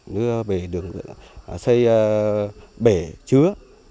đưa về đường xây bể chứa